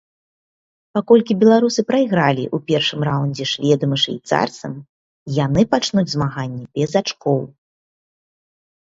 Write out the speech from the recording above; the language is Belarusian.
Паколькі беларусы прайгралі ў першым раўндзе шведам і швейцарцам, яны пачнуць змаганне без ачкоў.